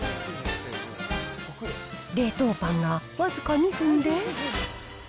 冷凍パンが僅か２分で。